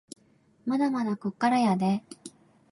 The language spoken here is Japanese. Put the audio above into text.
まだまだこっからやでぇ